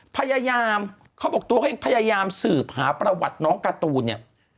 พยายามพยายามสืบหาประวัติน้องการ์ทูนเนี่ย